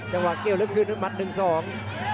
จังหวะเกี่ยวแล้วคืนมัดหนึ่งสอง